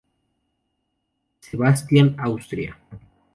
Sebastian, Austria.